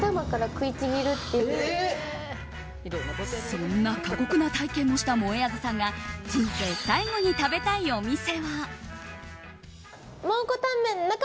そんな過酷な体験をしたもえあずさんが人生最後に食べたいお店は。